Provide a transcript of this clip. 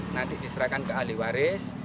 nanti diserahkan ke ahli waris